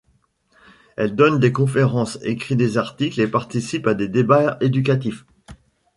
Elle donne des conférences, écrit des articles et participe à des débats éducatifs.